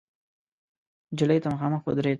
نجلۍ ته مخامخ ودرېد.